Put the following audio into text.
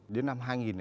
đến năm hai nghìn